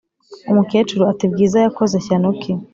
umukecuru ati"bwiza yakoze shyano ki